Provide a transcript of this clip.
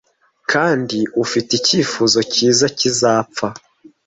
Kandi ufite icyifuzo cyiza kizapfa.